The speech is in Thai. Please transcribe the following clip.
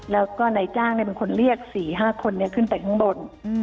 แล้วก็นายจ้างเป็นคนเรียก๔๕คนขึ้นไปข้างบน